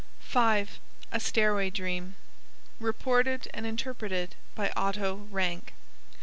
5. A stairway dream. (Reported and interpreted by Otto Rank.)